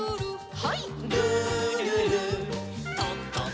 はい。